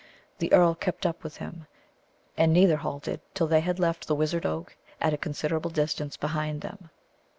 The earl kept up with him, and neither halted till they had left the wizard oak at a considerable distance behind them.